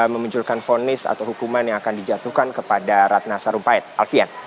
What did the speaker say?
memunculkan fonis atau hukuman yang akan dijatuhkan kepada ratna sarumpait alfian